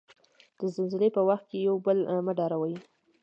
د زلزلې په وخت یو بل مه ډاروی.